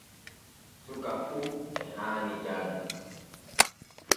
Suka fu e haani janŋa.